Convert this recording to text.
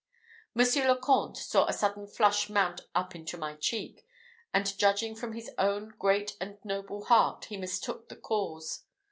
Monsieur le Comte saw a sudden flush mount up into my cheek, and judging from his own great and noble heart, he mistook the cause.